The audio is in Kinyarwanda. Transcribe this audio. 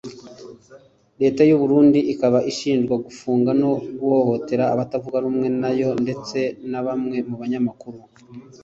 Leta y’u Burundi ikaba ishinjwa gufunga no guhohotera abatavuga rumwe nayo ndetse na bamwe mu banyamakuru